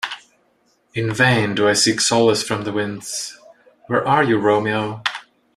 In vain do I seek solace from the winds... Where are you Romeo?".